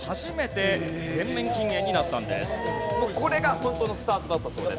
これが本当のスタートだったそうです。